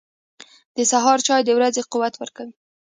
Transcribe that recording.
• د سهار چای د ورځې قوت ورکوي.